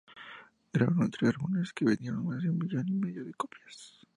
Grabaron tres álbumes, que vendieron más de un millón y medio de copias.